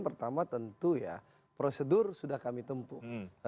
pertama tentu ya prosedur sudah kami tempuh